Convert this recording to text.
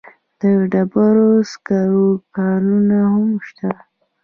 د ډبرو سکرو کانونه هم شته.